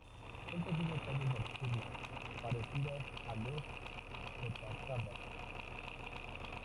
Son pequeñas aves nocturnas parecidas a los chotacabras.